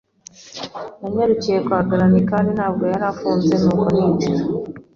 Nanyarukiye kwa Grannie kandi ntabwo yari ifunze, nuko ninjira.